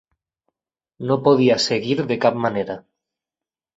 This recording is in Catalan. No podia seguir de cap manera.